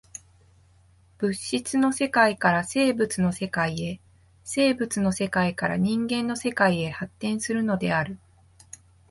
物質の世界から生物の世界へ、生物の世界から人間の世界へ発展するのである。